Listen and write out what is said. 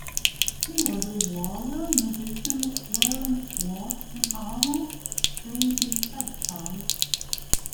He was a warrior-musician wearing sword and armour, playing his bagpipe.